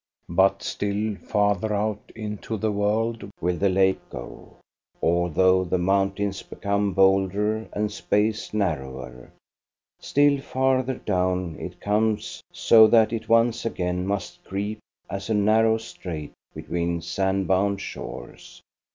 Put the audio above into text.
But still farther out into the world will the lake go, although the mountains become bolder and space narrower; still farther down it comes, so that it once again must creep as a narrow strait between sand bound shores.